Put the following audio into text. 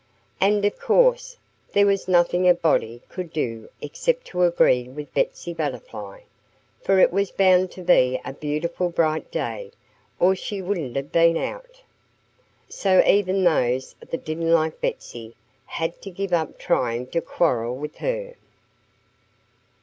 And of course there was nothing a body could do except to agree with Betsy Butterfly. For it was bound to be a beautiful, bright day, or she wouldn't have been out. So even those that didn't like Betsy had to give up trying to quarrel with her.